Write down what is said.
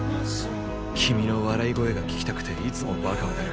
君の笑い声が聞きたくていつもバカをやる。